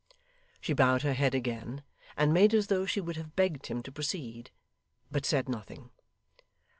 She bowed her head again, and made as though she would have begged him to proceed; but said nothing.